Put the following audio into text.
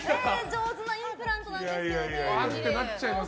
上手なインプラントなんですけどね。